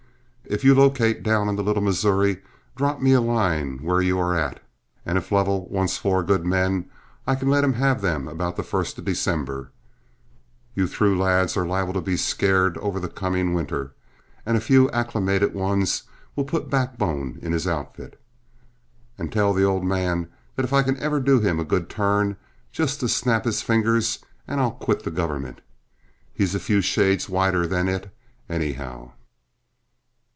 If you locate down on the Little Missouri, drop me a line where you are at, and if Lovell wants four good men, I can let him have them about the first of December. You through lads are liable to be scared over the coming winter, and a few acclimated ones will put backbone in his outfit. And tell the old man that if I can ever do him a good turn just to snap his fingers and I'll quit the government he's a few shades whiter than it, anyhow."